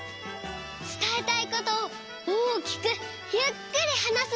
つたえたいことを大きくゆっくりはなす。